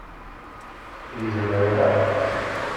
Yezmer ala.